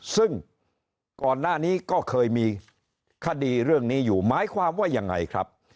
ซึ่งก่อนหน้านี้ก็เคยมีคดีเรื่องนี้อยู่หมายความว่ายังไงครับ